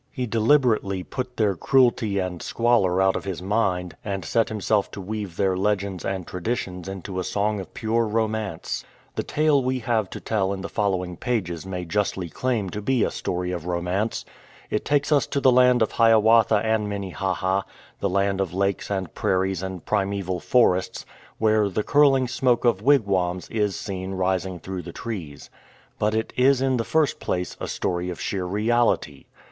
He deliberately put their cruelty and squalor out of his mind, and set himself to weave their legends and traditions into a song of pure romance. The tale we have to tell in the following pages may 214 STEPHEN AND MARY RIGGS justly claim to be a story of romance. It takes us to the land of Hiawatha and Minnehaha, the land of lakes and prairies and primeval forests, where "the curling smoke of wigwams" is seen rising through the trees. But it is in the first place a story of sheer reality.